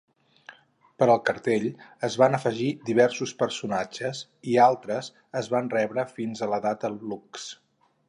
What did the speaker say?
Per al cartell, es van afegir diversos personatges i altres es van rebre fins a la data looks.